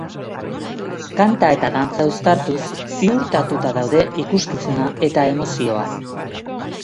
Kanta eta dantza uztartuz, ziurtatuta daude ikuskizuna eta emozioa.